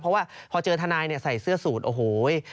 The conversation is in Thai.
เพราะว่าพอเจอทนายใส่เสื้อสูตรโอ้โห